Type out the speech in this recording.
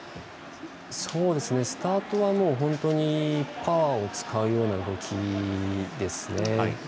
スタートはもう本当にパワーを使うような動きですね。